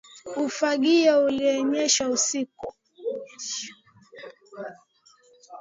Ufagio ulinyeshewa usiku